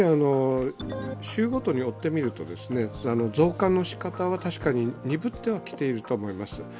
週ごとに追ってみると増加の仕方は確かに鈍ってはきていると思います。